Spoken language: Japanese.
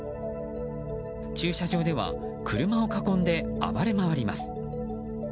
駐車場では車を囲んで暴れ回ります。